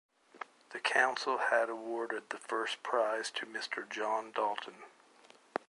The Council had awarded the first prize to Mr. John Dalton.